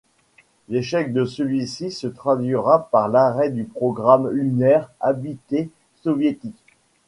L'échec de celui-ci se traduira par l'arrêt du programme lunaire habité soviétique.